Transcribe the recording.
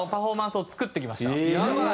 やばい！